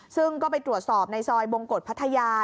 ซึ่งก็ไปตรวจสอบในซอยบงกฎพัทยา